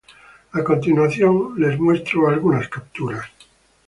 A continuación les muestro algunas capturas